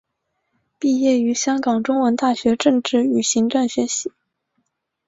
毕业于香港中文大学政治与行政学系。